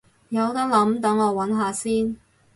有得諗，等我搵下先